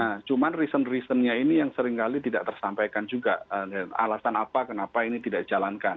nah cuman reason reasonnya ini yang seringkali tidak tersampaikan juga alasan apa kenapa ini tidak dijalankan